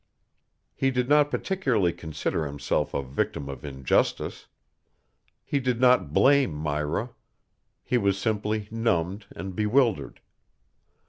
He did not particularly consider himself a victim of injustice. He did not blame Myra. He was simply numbed and bewildered.